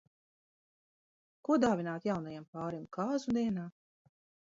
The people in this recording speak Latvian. Ko dāvināt jaunajam pārim kāzu dienā?